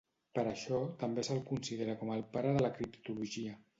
Per això també se'l considera com el pare de criptologia.